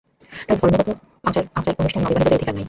তাই ধর্মগত আচার-অনুষ্ঠানে অবিবাহিতের অধিকার নাই।